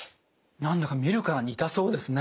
何だか見るからに痛そうですね。